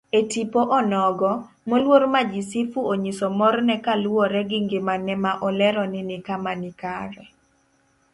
Etipo onogo, moluor Majisifu onyiso morne kaluwore gi ngimane ma olero ni nikama kare.